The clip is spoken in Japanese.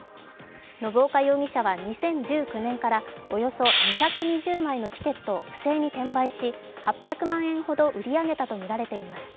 信岡容疑者は２０１９年からおよそ２２０枚のチケットを不正に転売し、８００万円ほど売り上げたとみられています。